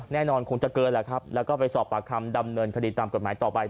แน่นอนคงจะเกินแหละครับแล้วก็ไปสอบปากคำดำเนินคดีตามกฎหมายต่อไป